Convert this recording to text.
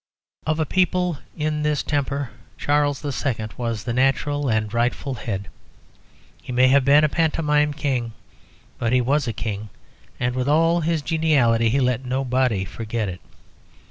Of a people in this temper Charles II. was the natural and rightful head. He may have been a pantomime King, but he was a King, and with all his geniality he let nobody forget it.